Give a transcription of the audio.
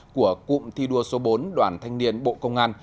của cụm thi đua số bốn đoàn thanh niên bộ công an